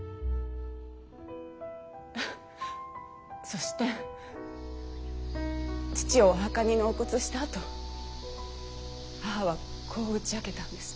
そして父をお墓に納骨したあと母はこう打ち明けたんです。